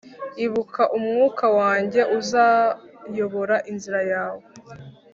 ibuka umwuka wanjye uzayobora inzira yawe,